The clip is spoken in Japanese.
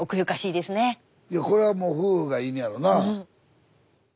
いやこれはもう夫婦がいいねんやろな。